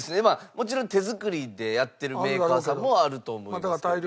まあもちろん手作りでやってるメーカーさんもあると思いますけど。